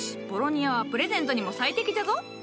ボロニアはプレゼントにも最適じゃぞ。